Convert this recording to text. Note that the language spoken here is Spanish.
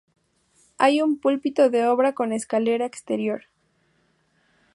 Hay un púlpito de obra con escalera exterior.